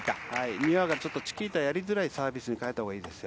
丹羽がチキータやりづらいサービスに変えたほうがいいですよ。